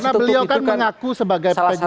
karena beliau kan mengaku sebagai penyidik